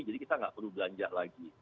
jadi kita tidak perlu belanja lagi